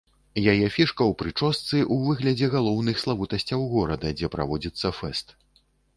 Яе фішка ў прычосцы ў выглядзе галоўных славутасцяў горада, дзе праводзіцца фэст.